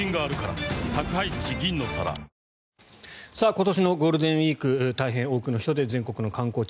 今年のゴールデンウィーク大変多くの人で全国の観光地